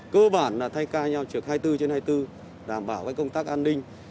cơ bản là thay ca nhau trực hai mươi bốn trên hai mươi bốn đảm bảo công tác an ninh